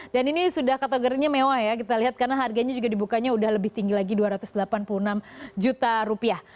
dan ini sudah kategorinya mewah ya kita lihat karena harganya juga dibukanya udah lebih tinggi lagi dua ratus delapan puluh enam juta rupiah